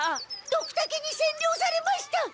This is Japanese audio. ドクタケにせんりょうされました！